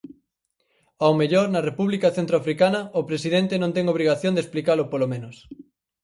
Ao mellor na República Centroafricana o presidente non ten obrigación de explicalo polo menos.